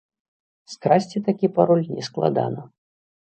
Скрасці такі пароль нескладана.